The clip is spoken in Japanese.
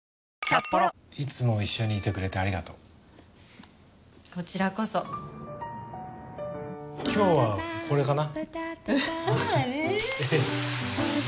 いつも一緒にいてくれてありがとうこちらこそ今日はこれかな